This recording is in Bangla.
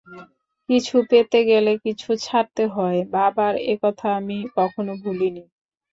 কিছু পেতে গেলে কিছু ছাড়তে হয়, বাবার একথা আমি কখনো ভুলিনি।